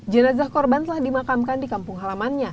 jenazah korban telah dimakamkan di kampung halamannya